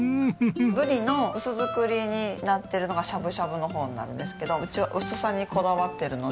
ブリの薄造りになってるのがしゃぶしゃぶの方になるんですけどうちは薄さにこだわってるので。